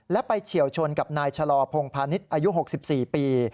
และไปเฉียวชนกับนายชะลอพงพาณิชย์อายุ๖๔ปี